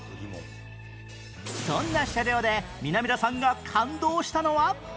そんな車両で南田さんが感動したのは